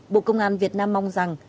bộ công an việt nam mong rằng